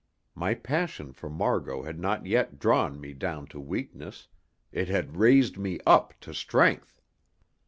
My passion for Margot had not yet drawn me down to weakness; it had raised me up to strength.